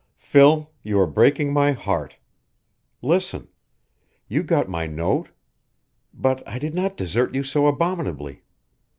"Phil, you are breaking my heart. Listen. You got my note? But I did not desert you so abominably.